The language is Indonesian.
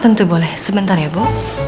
tentu boleh sebentar ya bu